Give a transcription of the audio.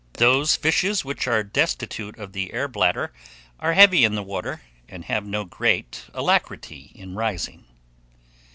Those fishes which are destitute of the air bladder are heavy in the water, and have no great "alacrity" in rising.